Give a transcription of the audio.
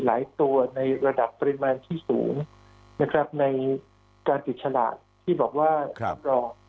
หลายตัวในระดับปริมาณที่สูงในการติดฉลาดที่บอกว่ารอง